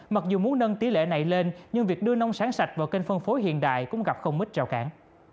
mặc dù muốn nâng tỷ lệ này lên nhưng việc đưa nông sản sạch vào kênh phân phối hiện đại cũng gặp không ít rào cản